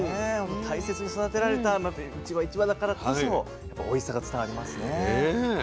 大切に育てられた一羽一羽だからこそおいしさが伝わりますね。